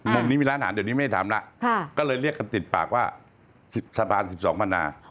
มุมนี้มีร้านอาหารเดี๋ยวนี้ไม่ได้ทำแล้วก็เลยเรียกกันติดปากว่าสะพาน๑๒มนา